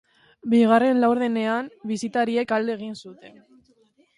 Bigarren laurdenean, bisitariek alde egin zuten.